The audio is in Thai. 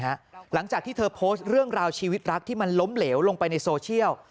หลังจากที่เธอโพสต์เรื่องราวชีวิตรักที่มันล้มเหลวลงไปในโซเชียล